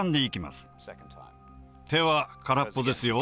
手は空っぽですよ